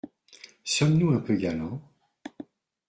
Sommes-nous un peu galant ?